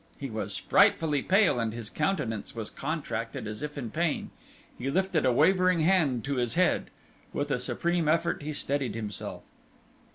He was frightfully pale, and his countenance was contracted as if in pain. He lifted a wavering hand to his head. With a supreme effort he steadied himself.